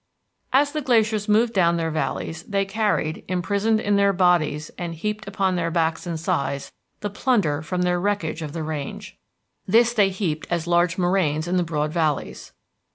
As the glaciers moved down their valleys they carried, imprisoned in their bodies and heaped upon their backs and sides, the plunder from their wreckage of the range. This they heaped as large moraines in the broad valleys.